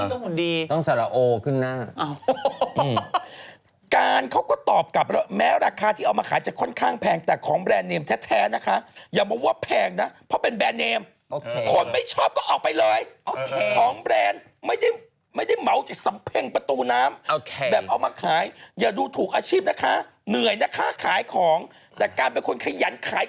ไหลล้านอ่ะคือมักต่อไปด้วย